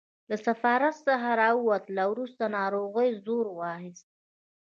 له سفارت څخه له راوتلو وروسته ناروغۍ زور واخیست.